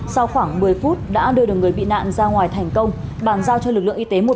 sau khoảng một mươi phút đã đưa được người bị nạn ra ngoài thành công bàn giao cho lực lượng y tế một